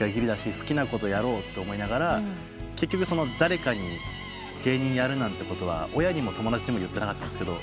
好きなことやろうと思いながら結局誰かに芸人やるなんてことは親にも友達にも言ってなかったんですけど。